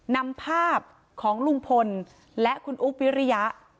นำภาพของลุงพลและคุณอุ๊บวิริยะ